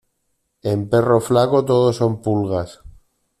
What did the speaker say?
En perro flaco todo son pulgas.